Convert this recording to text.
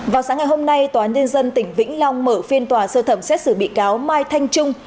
vào sáng ngày hôm nay tòa án nhân dân tỉnh vĩnh long mở phiên tòa sơ thẩm xét xử bị cáo mai thanh trung